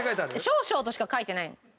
「少々」としか書いてない。